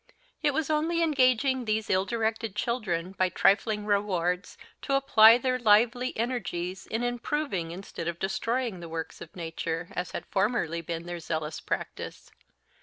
It was only engaging these ill directed children by trifling rewards to apply their lively energies in improving instead of destroying the works of nature, as had formerly been their zealous practice.